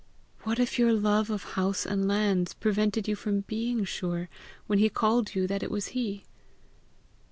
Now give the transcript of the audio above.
"What if your love of house and lands prevented you from being sure, when he called you, that it was he?"